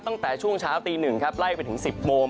ตั้งแต่ช่วงเช้าตี๑ครับไล่ไปถึง๑๐โมง